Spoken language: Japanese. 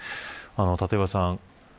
立岩さん